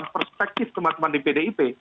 perspektif teman teman di pdip